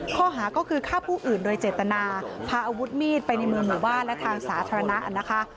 ข้อหาก็คือฆ่าผู้อื่นโดยเจตนาพาอาวุธมีดไปในเมืองหมู่บ้านและทางสาธารณะนะคะ